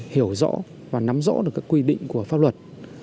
hiểu rõ và nắm rõ được các quy định của pháp luật